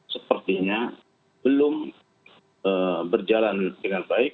sepertinya belum berjalan dengan baik